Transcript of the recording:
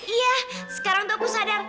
iya sekarang tuh aku sadar